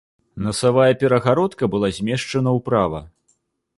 Насавая перагародка была змешчана ўправа.